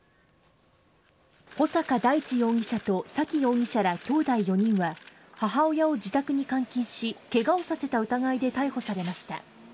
穂坂大地容疑者と沙喜容疑者らきょうだい４人は母親を自宅に監禁しケガをさせた疑いで逮捕されました。